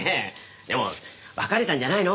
でも別れたんじゃないの？